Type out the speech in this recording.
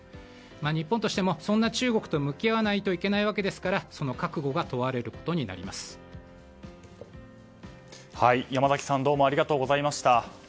日本としてもそんな中国と向き合わないといけないわけですからその覚悟が山崎さん、どうもありがとうございました。